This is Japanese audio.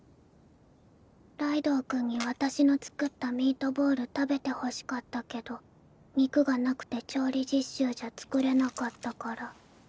ライドウ君に私の作ったミートボール食べてほしかったけど肉がなくて調理実習じゃ作れなかったから。